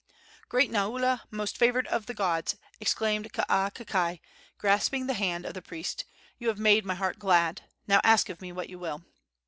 "Great Naula, most favored of the gods!" exclaimed Kaakakai, grasping the hand of the priest. "You have made my heart glad! Now ask of me what you will!"